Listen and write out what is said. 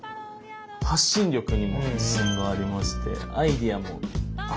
発信力にも自信がありましてアイデアもある方かな？